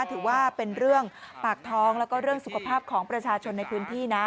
ถือว่าเป็นเรื่องปากท้องแล้วก็เรื่องสุขภาพของประชาชนในพื้นที่นะ